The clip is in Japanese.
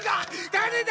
誰だ！？